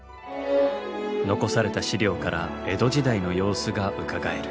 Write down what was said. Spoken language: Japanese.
残された資料から江戸時代の様子がうかがえる。